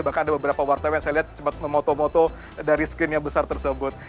bahkan ada beberapa wartawan yang saya lihat sempat memoto moto dari screen yang besar tersebut